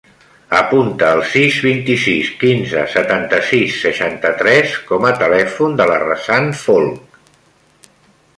Apunta el sis, vint-i-sis, quinze, setanta-sis, seixanta-tres com a telèfon de la Razan Folch.